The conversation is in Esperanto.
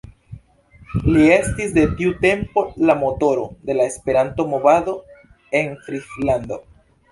Li estis de tiu tempo la "motoro" de la Esperanto-movado en Frislando.